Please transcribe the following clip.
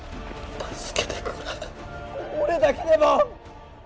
助けてくれ俺だけでも！